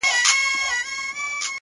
o د توري شپې سره خوبونه هېرولاى نه ســم،